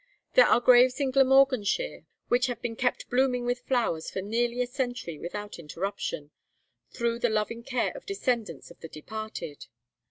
There are graves in Glamorganshire which have been kept blooming with flowers for nearly a century without interruption, through the loving care of descendants of the departed.